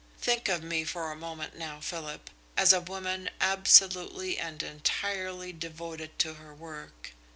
Think of me for a moment now, Philip, as a woman absolutely and entirely devoted to her work.